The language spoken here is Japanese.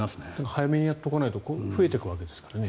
早めにやっておかないと増えていくわけですからね。